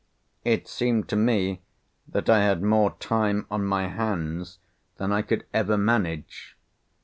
It seemed to me that I had more time on my hands than I could ever manage.